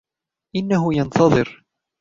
إنهُ ينتظر.